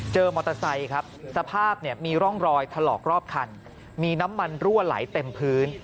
มอเตอร์ไซค์ครับสภาพเนี่ยมีร่องรอยถลอกรอบคันมีน้ำมันรั่วไหลเต็มพื้น